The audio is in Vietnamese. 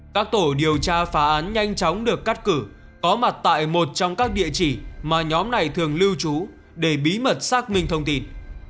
các tổ điều tra phá án nhanh chóng được cắt cử có mặt tại một trong các địa chỉ mà nhóm này thường lưu trú để bí mật xác minh thông tin